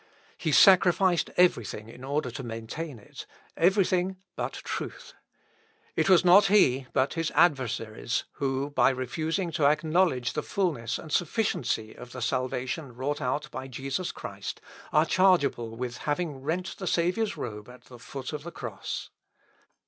He sacrificed every thing in order to maintain it; every thing but truth. It was not he, but his adversaries, who, by refusing to acknowledge the fulness and sufficiency of the salvation wrought out by Jesus Christ, are chargeable with having rent the Saviour's robe at the foot of the cross.